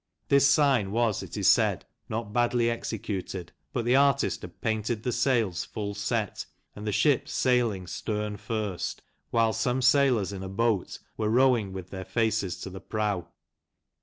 This sign was, it is said, not badly executed, but the artist had painted the sails full set and the ship sailing stern first, whilst" some sailors in a boat were rowing with their faces to the prow.